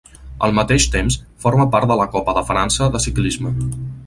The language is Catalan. Al mateix temps, forma part de la Copa de França de ciclisme.